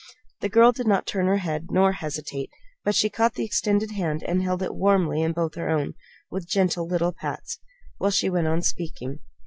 The girl did not turn her head nor hesitate; but she caught the extended hand and held it warmly in both her own, with gentle little pats, while she went on speaking.